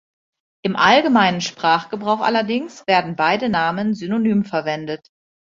Im allgemeinen Sprachgebrauch allerdings werden beide Namen synonym verwendet.